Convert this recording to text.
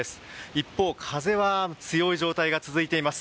一方、風は強い状態が続いています。